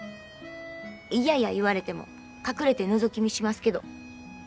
嫌や言われても隠れてのぞき見しますけど。